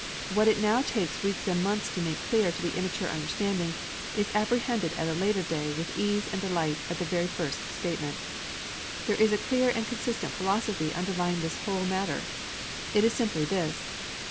What it now takes weeks and months to make clear to the immature understanding, is apprehended at a later day with ease and delight at the very first statement. There is a clear and consistent philosophy underlying this whole matter. It is simply this.